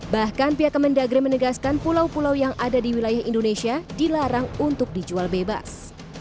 bahkan pihak kemendagri menegaskan pulau pulau yang ada di wilayah indonesia dilarang untuk dijual bebas